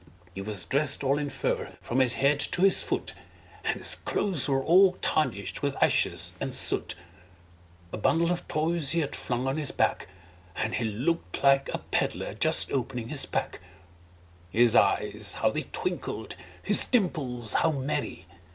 He was dressed all in fur from his head to his foot, And his clothes were all tarnished with ashes and soot; A bundle of toys he had flung on his back, And he looked like a peddler just opening his pack; His eyes how they twinkled! his dimples how merry!